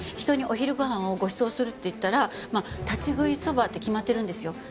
人にお昼ご飯をごちそうするっていったら立ち食いそばって決まってるんですよ。